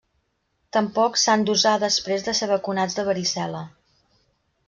Tampoc s'han d'usar després de ser vacunats de varicel·la.